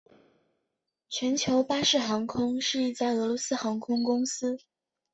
全球巴士航空是一家俄罗斯航空公司。